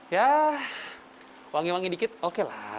ya wangi wangi dikit oke lah